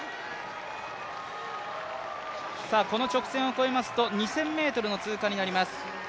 この直線を越えますと、２０００ｍの通過になります。